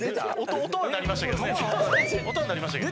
音は鳴りましたけどね。